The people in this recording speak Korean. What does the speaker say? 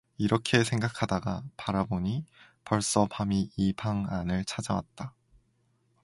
이렇게 생각하다가 바라보니 벌써 밤이 이 방 안을 찾아왔다.